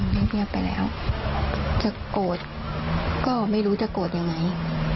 ย้อนกลับไปมันก็ไม่ทัน